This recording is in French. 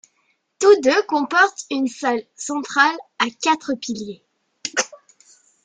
Tous deux comportent une salle centrale à quatre piliers.